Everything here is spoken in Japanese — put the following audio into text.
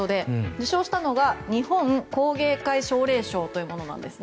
受賞したのが日本工芸会奨励賞というものです。